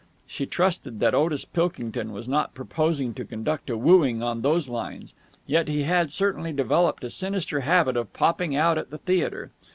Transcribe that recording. She trusted that Otis Pilkington was not proposing to conduct a wooing on those lines. Yet he had certainly developed a sinister habit of popping out at the theatre.